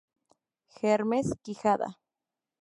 Hermes Quijada.